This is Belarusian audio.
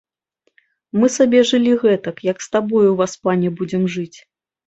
Мы сабе жылі гэтак, як з табою, васпане, будзем жыць.